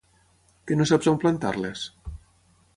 Què no saps on plantar-les?